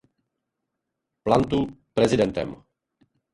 Plantu prezidentem!